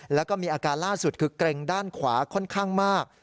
แล้วก็มีอาการล่าสุดคือเกร็งด้านขวาค่อนข้างมาก